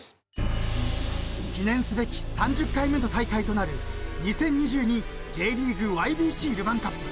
［記念すべき３０回目の大会となる２０２２ＪリーグＹＢＣルヴァンカップ］